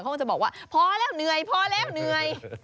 เขาก็จะบอกว่าพอแล้วเหนื่อยพอแล้วเหนื่อย